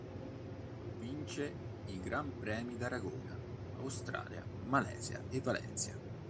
Vince i gran premi d'Aragona, Australia, Malesia e Valencia.